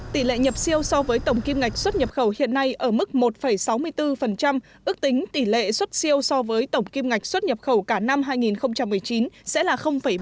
tỷ lệ nhập siêu so với tổng kim ngạch xuất nhập khẩu hiện nay ở mức một sáu mươi bốn ước tính tỷ lệ xuất siêu so với tổng kim ngạch xuất nhập khẩu cả năm hai nghìn một mươi chín sẽ là ba mươi